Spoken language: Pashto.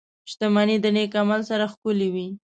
• شتمني د نېک عمل سره ښکلې وي.